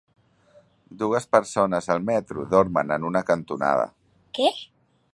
Dues persones al metro dormen en una cantonada.